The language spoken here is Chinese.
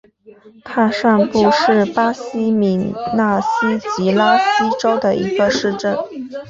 卡尚布是巴西米纳斯吉拉斯州的一个市镇。